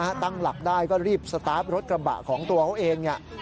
ถ้าตั้งหลักได้ก็รีบสตาร์ฟรถกรรมบะของตัวเขาเอง